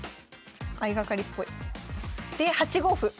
相掛かりっぽい。で８五歩。